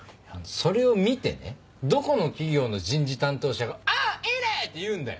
それを見てねどこの企業の人事担当者が「うんいいね！」って言うんだよ。